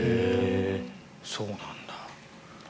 そうなんだ。